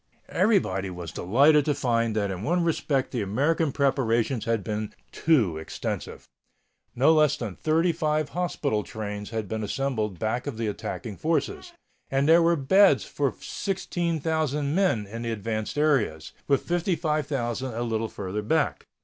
Everybody was delighted to find that in one respect the American preparations had been too extensive. No less than thirty five hospital trains had been assembled back of the attacking forces, and there were beds for 16,000 men in the advanced areas, with 55,000 a little farther back.